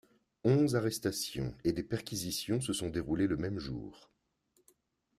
Onze arrestations et des perquisitions se sont déroulées le même jour.